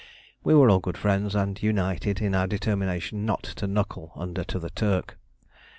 We were all good friends, and united in our determination not to knuckle under to the Turk.